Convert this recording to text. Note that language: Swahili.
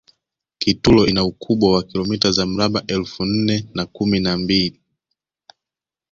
kitulo ina ukubwa wa kilomita za mraba elfu nne na kumi na mbili